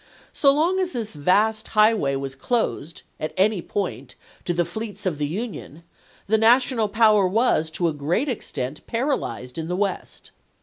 So long as this vast highway was closed, at any point, to the fleets of the Union, the National power was, to a great extent, paralyzed in the West.